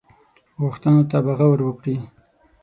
غوښتنو به غور وکړي.